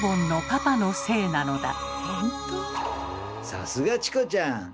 さすがチコちゃん！